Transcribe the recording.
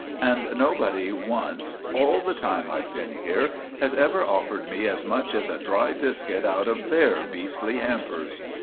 And nobody once, all the time I've been here, has ever offered me as much as a dry biscuit out of their beastly hampers.